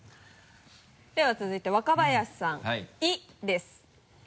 では続いて若林さん「い」です。